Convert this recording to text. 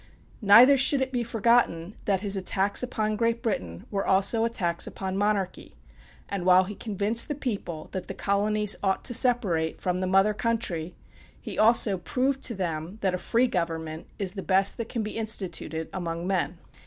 Neither should it be forgotten that his attacks upon Great Britain, were also attacks upon monarchy; and while he convinced the people that the colonies ought to separate from the mother country, he also proved to them that a free government is the best that can be instituted among men.